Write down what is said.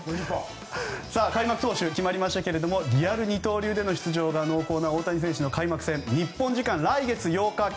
開幕投手、決まりましたがリアル二刀流での出場が濃厚な大谷選手の開幕戦日本時間来月８日